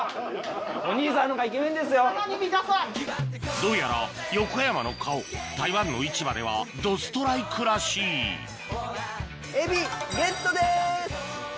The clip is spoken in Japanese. どうやら横山の顔台湾の市場ではどストライクらしいエビゲットです！